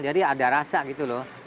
jadi ada rasa gitu loh